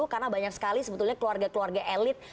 karena banyak sekali sebetulnya keluarga keluarga elit